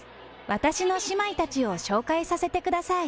私の姉妹たちを紹介させてください。